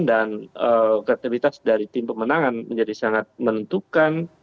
dan kreativitas dari tim pemenangan menjadi sangat menentukan